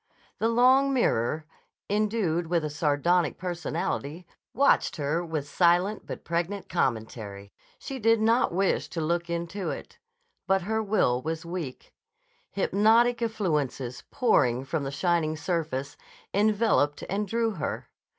The long mirror, endued with a sardonic personality, watched her with silent but pregnant commentary. She did not wish to look into it. But her will was weak. Hypnotic effluences, pouring from the shining surface, enveloped and drew her.